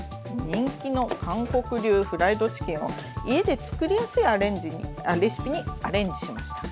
人気の韓国流フライドチキンを家で作りやすいレシピにアレンジしました。